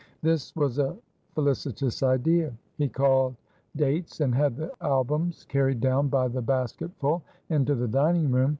This was a felicitous idea. He called Dates, and had the albums carried down by the basket full into the dining room.